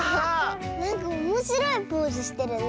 なんかおもしろいポーズしてるね。